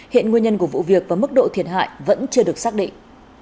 hiện nguyên nhân của vụ việc và mức độ thiệt hại vẫn chưa được xác định